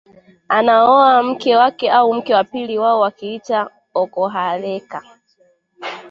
Anaoa mke wake au mke wa pili wao wakiita okohareka